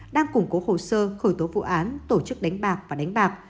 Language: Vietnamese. đang củng cố hồ sơ khởi tố vụ án tổ chức đánh bạc và đánh bạc